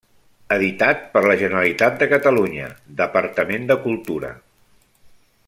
Editat per la Generalitat de Catalunya, Departament de Cultura.